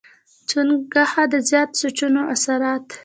چونکه د زيات سوچونو اثرات